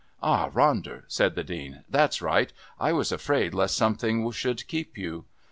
"Ah, Ronder," said the Dean, "that's right. I was afraid lest something should keep you."